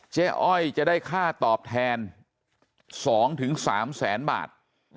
อ้อยจะได้ค่าตอบแทน๒๓แสนบาท